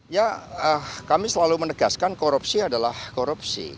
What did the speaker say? ya kami selalu menegaskan korupsi adalah korupsi